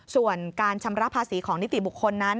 ส่วนการชำระภาษีของนิติบุคคลนั้น